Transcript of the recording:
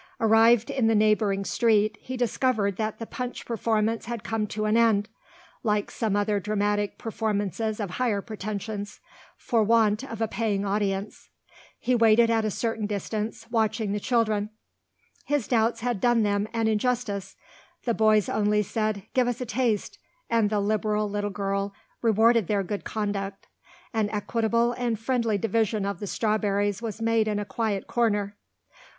Arrived in the neighbouring street, he discovered that the Punch performance had come to an end like some other dramatic performances of higher pretensions for want of a paying audience. He waited at a certain distance, watching the children. His doubts had done them an injustice. The boys only said, "Give us a taste." And the liberal little girl rewarded their good conduct. An equitable and friendly division of the strawberries was made in a quiet corner.